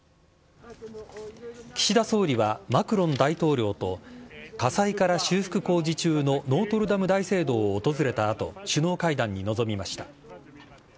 岸田総理は、マクロン大統領と火災から修復工事中のノートルダム大聖堂を訪れたあと、首脳会談に臨みました。